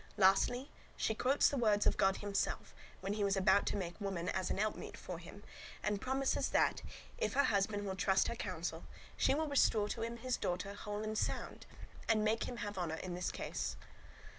Lastly, she quotes the words of God himself, when he was about to make woman as an help meet for man; and promises that, if her husband will trust her counsel, she will restore to him his daughter whole and sound, and make him have honour in this case.